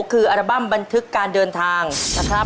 คืออัลบั้มบันทึกการเดินทางนะครับ